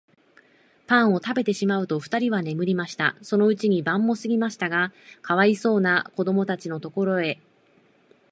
パンをたべてしまうと、ふたりは眠りました。そのうちに晩もすぎましたが、かわいそうなこどもたちのところへ、